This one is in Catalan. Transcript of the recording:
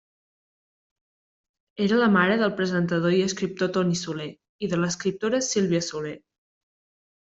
Era la mare del presentador i escriptor Toni Soler i de l'escriptora Sílvia Soler.